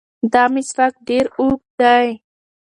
دا مسواک ډېر اوږد دی.